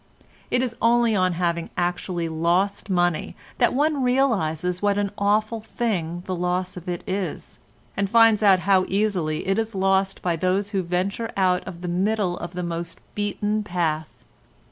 It is only on having actually lost money that one realises what an awful thing the loss of it is, and finds out how easily it is lost by those who venture out of the middle of the most beaten path.